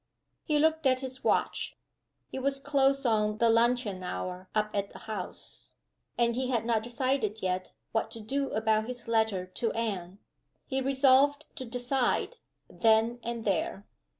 He looked at his watch. It was close on the luncheon hour up at the house; and he had not decided yet what to do about his letter to Anne. He resolved to decide, then and there.